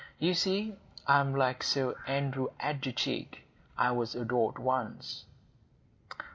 "You see I am like Sir Andrew Aguecheek. I was adored once."